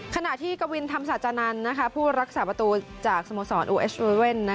ขณะที่กวินธรรมสัจจนันทร์ผู้รักษาประตูจากสมสรรค์อูเอสเตอร์เวิลเว่น